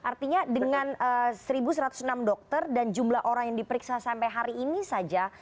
artinya dengan satu satu ratus enam dokter dan jumlah orang yang diperiksa sampai hari ini saja